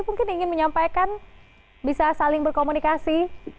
mungkin ingin menyampaikan bisa saling berkomunikasi